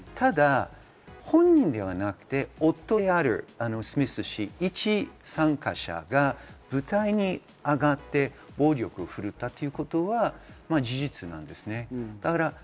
ただ本人ではなくて、夫であるスミス氏、いち参加者が舞台に上がって暴力を振るったということは事実です。